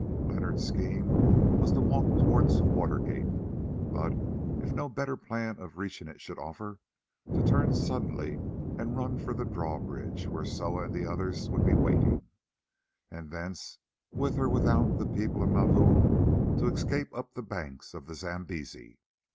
Leonard's scheme was to walk towards the water gate, but, if no better plan of reaching it should offer, to turn suddenly and run for the drawbridge, where Soa and the others would be waiting, and thence, with or without the people of Mavoom, to escape up the banks of the Zambesi.